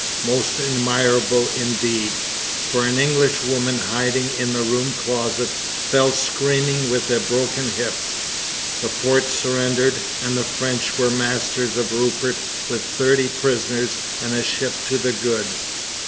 Most admirable, indeed! for an Englishwoman, hiding in a room closet, fell screaming with a broken hip. The fort surrendered, and the French were masters of Rupert with thirty prisoners and a ship to the good.